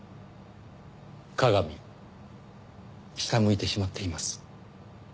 鏡下向いてしまっています。